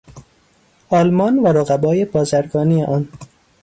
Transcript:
آلمان و رقبای بازرگانی آن